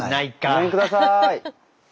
ごめんください。